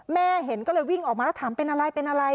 แม่เห็นก็เลยวิ่งออกมาแล้วถามเป็นอะไรเป็นอะไร